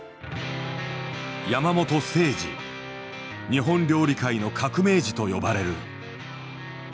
「日本料理界の革命児」と呼ばれる。